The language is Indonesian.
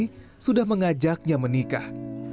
kami sudah mengajaknya menikah